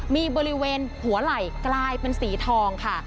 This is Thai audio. มีบริเวณหัวไหล่กลายเป็นสีทองค่ะ